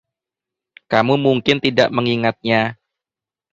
Kamu mungkin tidak mengingatnya.